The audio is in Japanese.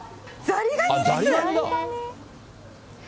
ザリガニです。